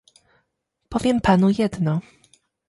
Powiem Panu jedno